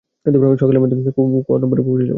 সকালের মধ্যে কোয়েম্বাটুরে পৌঁছে যাব।